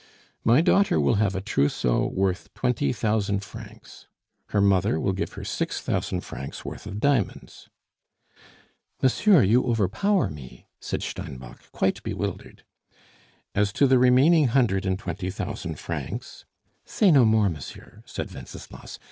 My daughter will have a trousseau worth twenty thousand francs; her mother will give her six thousand francs worth of diamonds. "Monsieur, you overpower me!" said Steinbock, quite bewildered. "As to the remaining hundred and twenty thousand francs " "Say no more, monsieur," said Wenceslas.